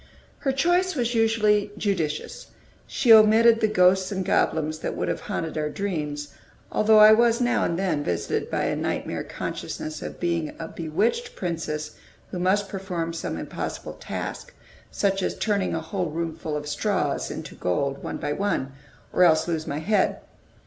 Her choice was usually judicious; she omitted the ghosts and goblins that would have haunted our dreams; although I was now and then visited by a nightmare consciousness of being a bewitched princess who must perform some impossible task, such as turning a whole roomful of straws into gold, one by one, or else lose my head.